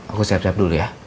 aku siap dulu ya